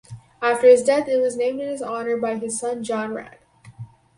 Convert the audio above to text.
After his death it was named in his honor by his son John Wragg.